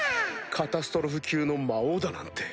カタストロフ級の魔王だなんて。